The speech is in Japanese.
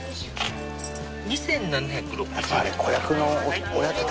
２，７６０円。